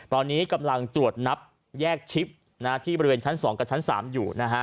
ตอนนี้กำลังตรวจนับแยกชิปที่บริเวณชั้น๒กับชั้น๓อยู่นะฮะ